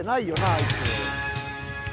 あいつ。